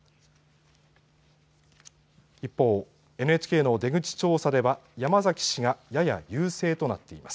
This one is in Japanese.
一方、ＮＨＫの出口調査では山崎氏がやや優勢となっています。